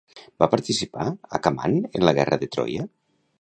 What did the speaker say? Va participar Acamant en la guerra de Troia?